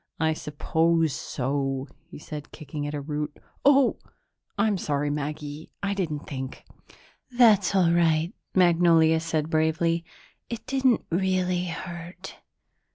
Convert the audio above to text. "I suppose so," he said, kicking at a root. "Oh, I'm sorry, Maggie; I didn't think." "That's all right," Magnolia said bravely. "It didn't really hurt.